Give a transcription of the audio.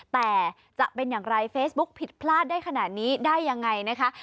แต่จะเป็นอย่างไรเฟซบุ๊กผิดพลาดได้ขนาดนี้ได้ยังไงนะคะ